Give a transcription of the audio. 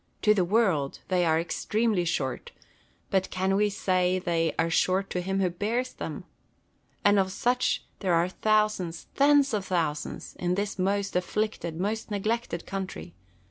To the world they are extremely short ; but can we say they are short to him who bears them 1 And of such there are thousands, tens of thousands, in this most afflicted, most neglected country.